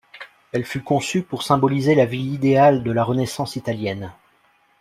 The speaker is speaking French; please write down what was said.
Elle fut conçue pour symboliser la ville idéale de la Renaissance italienne.